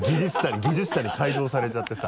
技術者に改造されちゃってさ。